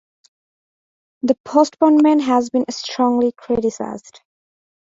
The postponement has been strongly criticised.